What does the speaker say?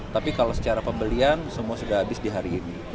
tapi kalau secara pembelian semua sudah habis di hari ini